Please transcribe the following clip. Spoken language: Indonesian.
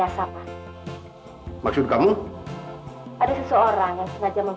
sem hingga dosa saya terkena